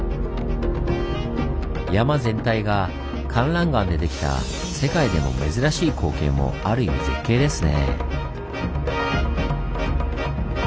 山全体がかんらん岩でできた世界でも珍しい光景もある意味絶景ですね。